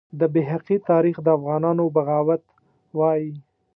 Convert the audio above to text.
د بیهقي تاریخ د افغانانو بغاوت وایي.